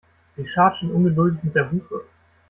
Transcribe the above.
Sie scharrt schon ungeduldig mit der Hufe.